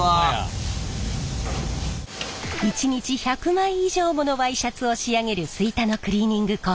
一日１００枚以上ものワイシャツを仕上げる吹田のクリーニング工場。